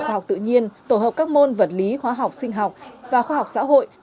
khoa học tự nhiên tổ hợp các môn vật lý hóa học sinh học và khoa học xã hội